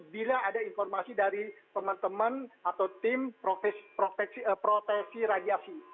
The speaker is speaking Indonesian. bila ada informasi dari teman teman atau tim protesi radiasi